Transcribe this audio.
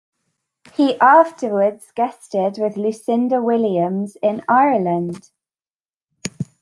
He afterwards guested with Lucinda Williams in Ireland.